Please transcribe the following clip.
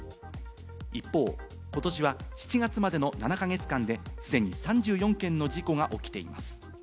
一方、ことしは７月までの７か月間で、既に３４件の事故が起きています。